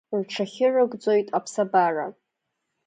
Рҽахьырыгӡоит аԥсабара.